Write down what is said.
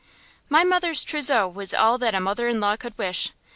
My mother's trousseau was all that a mother in law could wish.